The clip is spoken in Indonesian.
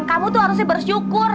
kamu tuh harusnya bersyukur